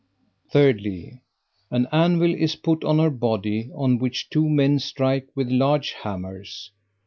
3rdly. An anvil is put on her body, on which two men strike with large hammers.